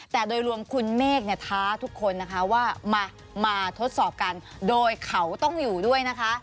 แต่โดยรวมคุณเมฆเนี่ยท้าทุกคนนะคะว่ามาทดสอบกันโดยเขาต้องอยู่ด้วยนะคะ